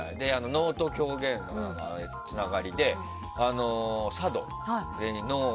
能と狂言のつながりで佐渡に。